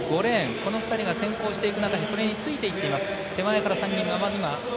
この２人が先行していく中それについていっています。